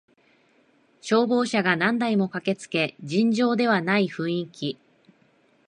消防車が何台も駆けつけ尋常ではない雰囲気